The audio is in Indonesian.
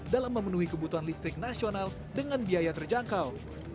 dalam memenuhi kebutuhan listrik nasional dengan biaya terjangkau